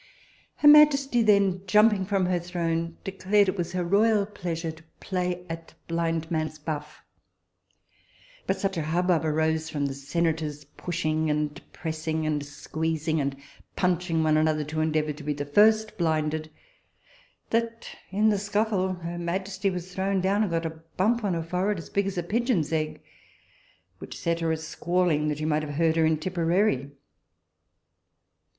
Her majesty then jumping from her throne, declared it was her royal pleasure to play at blindman's buff, but such a hub bub arose from the senators pushing, and pressing, and squeezing, and punching one another, to endeavour to be the first blinded, that in the scuffle her majesty was thrown down and got a bump on her forehead as big as a pigeon's egg, which set her a squalling, that you might have heard her to Tipperary.